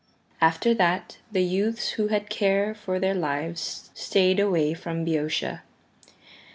After that the youths who had care for their lives stayed away from Boeotia.